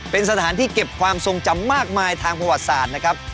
เป็นสถานที่เก็บความทรงจำมากมายทางประวัติศาสตร์นะครับ